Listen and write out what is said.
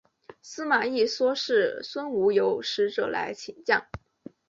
司马懿说是孙吴有使者来请降。